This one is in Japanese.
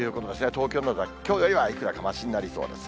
東京などは、きょうよりはいくらかましになりそうです。